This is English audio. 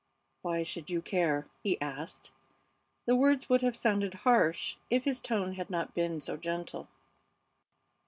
"Why should you care?" he asked. The words would have sounded harsh if his tone had not been so gentle.